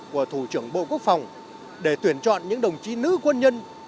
của thủ trưởng bộ quốc phòng để tuyển chọn những đồng chí nữ quân nhân